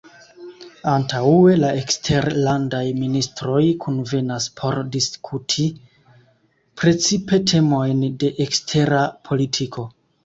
Antaŭe la eksterlandaj ministroj kunvenas por diskuti precipe temojn de ekstera politiko.